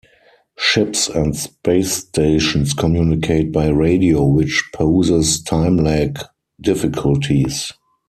Ships and space stations communicate by radio, which poses time-lag difficulties.